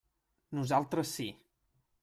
Nosaltres sí.